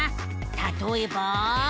たとえば。